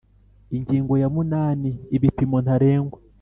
Ingingo ya munani Ibipimo ntarengwa